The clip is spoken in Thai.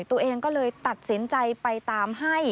ตัวเองก็เลยตัดสินใจไปตามให้